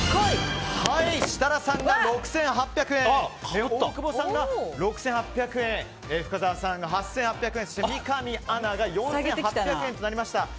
設楽さんが６８００円大久保さんが６８００円深澤さんが８８００円そして、三上アナが４８００円となりました。